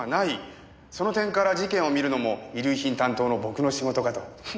その点から事件を見るのも遺留品担当の僕の仕事かと。